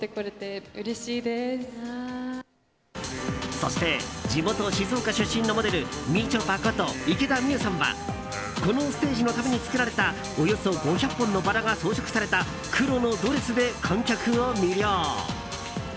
そして地元・静岡出身のモデルみちょぱこと池田美優さんはこのステージのために作られたおよそ５００本のバラが装飾された黒のドレスで観客を魅了。